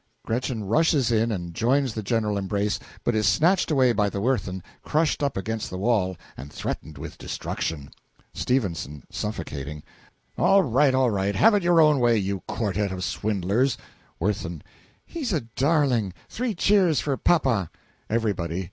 (GRETCHEN rushes in and joins the general embrace, but is snatched away by the WIRTHIN, crushed up against the wall, and threatened with destruction.) S. (Suffocating.) All right, all right have it your own way, you quartette of swindlers! W. He's a darling! Three cheers for papa! EVERYBODY.